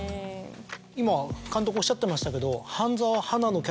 今監督おっしゃってましたけど。